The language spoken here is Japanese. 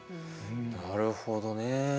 なるほどね。